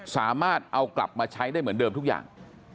สามารถเอากลับมาใช้ได้เหมือนเดิมทุกอย่าง